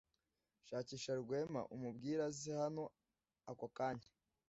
Shakisha Rwema umubwire aze hano ako kanya.